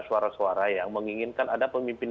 suara suara yang menginginkan ada pemimpin